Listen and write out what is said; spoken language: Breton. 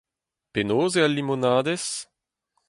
Penaos eo al limonadez ?